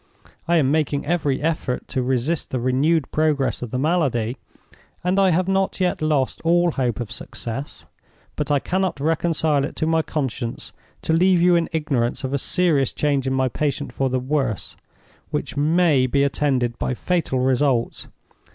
I am making every effort to resist the renewed progress of the malady, and I have not yet lost all hope of success. But I cannot reconcile it to my conscience to leave you in ignorance of a serious change in my patient for the worse, which may be attended by fatal results.